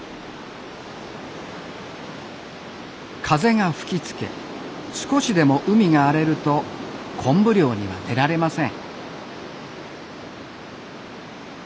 風が吹きつけ少しでも海が荒れると昆布漁には出られません。